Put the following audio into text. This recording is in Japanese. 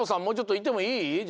もうちょっといてもいい？